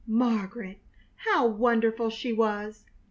Margaret! How wonderful she was!